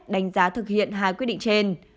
đánh giá thực hiện hai quyết định trên